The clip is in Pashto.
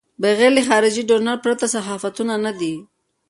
بغیر له خارجي ډونر پرته صحافتونه نه دي.